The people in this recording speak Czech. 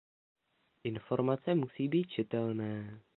Informace musí být čitelné.